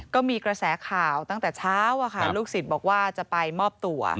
ก็มีกระแสข่าวตั้งแต่เช้าลูกศิษย์บอกว่าจะไปมอบตัว